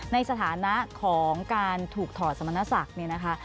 ในสถานะของการถูกถอดสมรสักนี่นะคะ